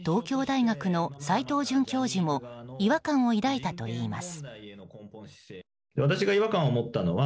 東京大学の斎藤准教授も違和感を抱いたといいます。